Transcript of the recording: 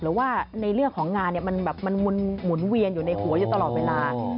หรือว่าในเรื่องของงานมันแบบมันหมุนเวียนอยู่ในหัวอยู่ตลอดเวลา